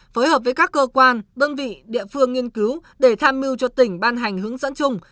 phối hợp với các cơ quan đơn vị địa phương nghiên cứu để tham mưu cho tỉnh ban hành hướng dẫn chung